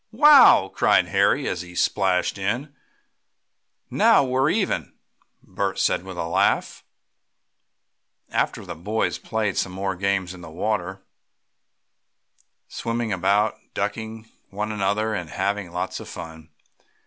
"Wow!" cried Harry as he splashed in. "Now we're even," Bert said with a laugh. After this the boys played some games in the water, swimming about, "ducking" one another, and having lots of fun.